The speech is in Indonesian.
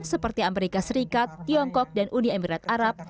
seperti amerika serikat tiongkok dan uni emirat arab